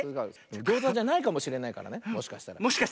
ギューザじゃないかもしれないからねもしかしたら。